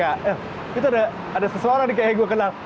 ada sesuatu yang saya kenal